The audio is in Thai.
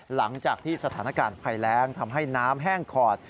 หลังจากที่สถานการณ์ภัยแรงทำให้น้ำแห้งขอด